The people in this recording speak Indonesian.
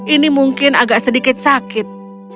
ini mungkin agak sedikit sakit